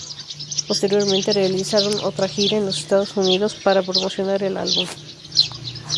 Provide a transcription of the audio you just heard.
Posteriormente realizaron otra gira en los Estados Unidos para promocionar el álbum.